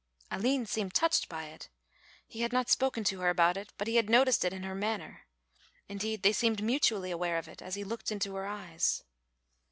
Aline seemed touched by it. He had not spoken to her about it, but he had noticed it in her manner; indeed they seemed mutually aware of it as he looked into her eyes.